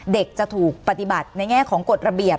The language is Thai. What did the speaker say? เด็กจะถูกปฏิบัติในแง่ของกฎระเบียบ